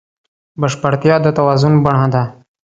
بشپړتیا د توازن بڼه ده.